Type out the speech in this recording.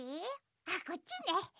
あっこっちね。